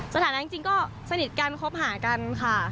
สถานะจริงก็สนิทกันคบหากันค่ะ